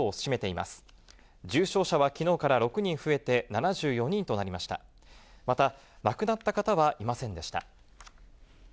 また、亡くなった方はいませんでした。